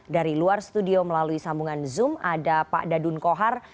dari luar studio melalui sambungan zoom ada pak dadun kohar